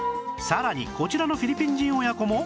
さらにこちらのフィリピン人親子も